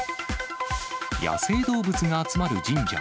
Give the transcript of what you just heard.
野生動物が集まる神社。